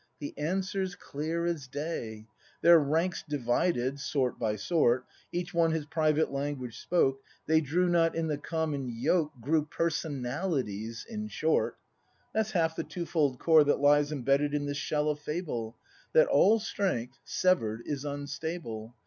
The answer's clear as day; Their ranks divided, sort by sort. Each one his private language spoke. They drew not in the common yoke. Grew "Personalities," in short. ACT V] BRAND 241 That's half the twofold core that lies Embedded in this shell of fable;— That all strength, sever 'd, is unstable.